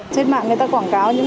trên mạng người ta quảng cáo những